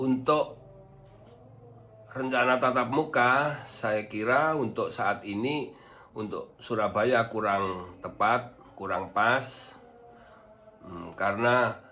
untuk rencana tatap muka saya kira untuk saat ini untuk surabaya kurang tepat kurang pas karena